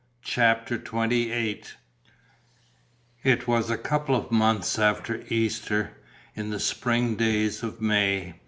CHAPTER XXVIII It was a couple of months after Easter, in the spring days of May.